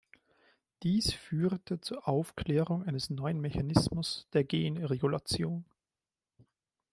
Dies führte zur Aufklärung eines neuen Mechanismus der Genregulation.